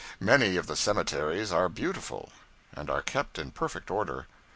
Many of the cemeteries are beautiful, and are kept in perfect order.